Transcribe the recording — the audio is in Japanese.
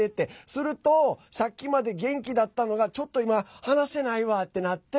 すると、さっきまで元気だったのがちょっと今話せないわってなって